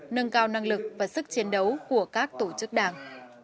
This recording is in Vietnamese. nâng cao năng lực và sức chiến đấu của các tổ chức đảng